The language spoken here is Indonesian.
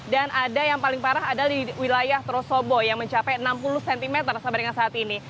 dan ada yang paling parah adalah di wilayah trosobo yang mencapai enam puluh cm sampai dengan saat ini